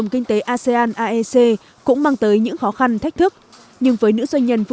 khi một nữ doanh nhân khởi nghiệp